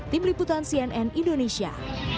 tim liputan cnn indonesia